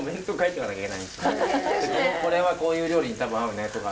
これはこういう料理に多分合うね！とか。